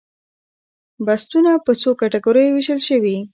بستونه په څو کټګوریو ویشل شوي؟